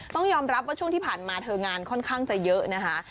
ต้องยอมรับว่าช่วงที่ผ่านมาเธองานค่อนข้างจะเยอะนะคะ